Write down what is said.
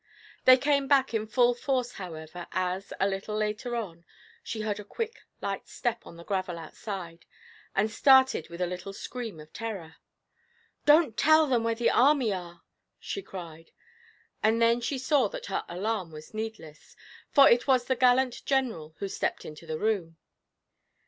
They came back in full force, however, as, a little later on, she heard a quick, light step on the gravel outside, and started with a little scream of terror. 'Don't tell them where the army are!' she cried; and then she saw that her alarm was needless, for it was the gallant General who stepped into the room.